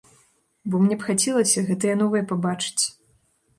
Бо мне б хацелася гэтае новае пабачыць.